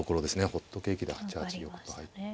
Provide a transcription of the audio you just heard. ホットケーキで８八玉と入って。